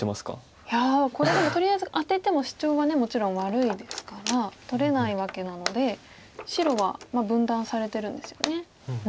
いやこれでもとりあえずアテてもシチョウはもちろん悪いですから取れないわけなので白は分断されてるんですよね。